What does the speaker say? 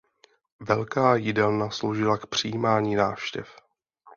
Velká jídelna sloužila k přijímání návštěv.